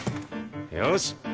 よし！